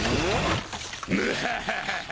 ムハハハハ。